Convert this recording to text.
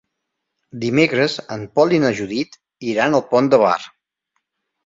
Dimecres en Pol i na Judit iran al Pont de Bar.